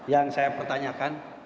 yang saya pertanyakan